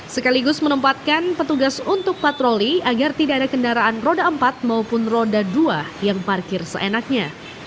sekaligus menempatkan petugas untuk patroli agar tidak ada kendaraan roda empat maupun roda dua yang parkir seenaknya